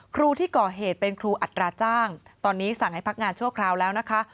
ครูที่ก่อเหตุเป็นครูอัตราจ้างตอนนี้สั่งให้พักงานชั่วคราวแล้วนะคะ